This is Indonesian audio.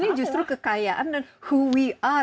ini justru kekayaan dan who we are